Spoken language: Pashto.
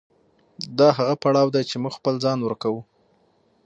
دا هغه پړاو دی چې موږ خپل ځان ورکوو.